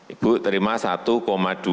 ibu terima rp satu dua ratus